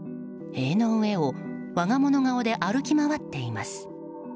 塀の上を我が物顔で歩き回っています。